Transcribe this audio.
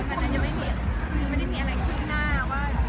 คือไม่ได้มีอะไรค่อยมาอ้าว่า